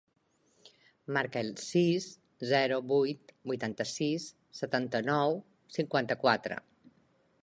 Marca el sis, zero, vuit, vuitanta-sis, setanta-nou, cinquanta-quatre.